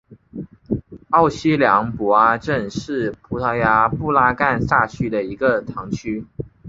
奥西良博阿镇是葡萄牙布拉干萨区的一个堂区。